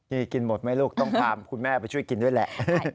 นี่กินหมดไหมลูกต้องพาคุณแม่ไปช่วยกินด้วยแหละ